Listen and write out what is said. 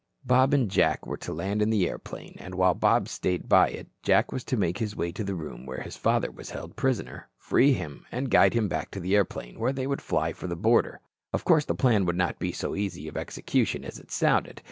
Bob and Jack were to land in the airplane, and while Bob stayed by it, Jack was to make his way to the room where his father was held prisoner, free him, and guide him back to the airplane, when they would fly for the border. Of course, the plan would not be so easy of execution as it sounded.